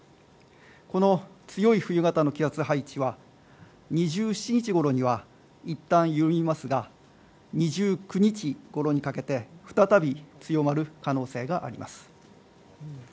この強い冬型の気圧配置は、２７日ごろにはいったん緩みますが、２９日ごろにかけて、再び強まる可能性があります。